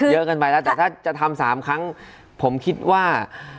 เยอะเกินไปแล้วแต่ถ้าจะทำ๓ครั้งผมคิดว่า